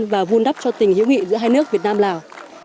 và vun đắp cho tình hữu nghị giữa hai nước việt nam lào